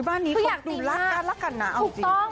บ้านนี้คนดูแลลักษณะเอาจริง